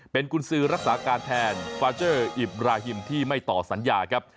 เป็นกุญสือรักษาการแทนฟาเจอร์อิบราฮิมที่ไม่ต่อสัญญาครับ